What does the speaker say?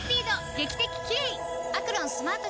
劇的キレイ！